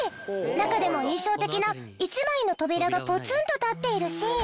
中でも印象的な１枚の扉がポツンと立っているシーン。